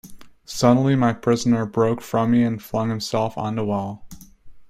Suddenly my prisoner broke from me and flung himself on the wall.